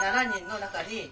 ７人の中に。